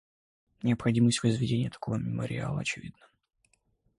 Необходимость возведения такого мемориала очевидна.